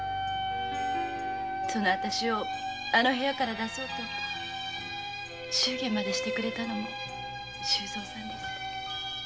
そのあたしをあの部屋から出そうと祝言までしてくれたのも周蔵さんです。